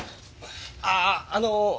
あっあの！